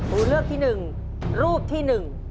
ตัวเลือกที่๑รูปที่๑